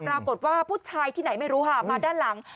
ปรากฏว่าผู้ชายที่ไหนไม่รู้ค่ะมาด้านหลัง